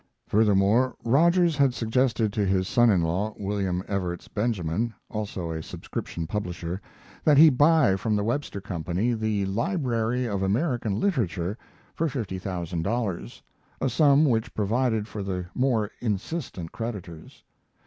Furthermore, Rogers had suggested to his son in law, William Evarts Benjamin, also a subscription publisher, that he buy from the Webster company The Library of American Literature for fifty thousand dollars, a sum which provided for the more insistent creditors.